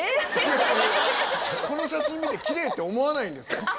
この写真見てキレイって思わないんですか？